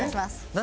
何？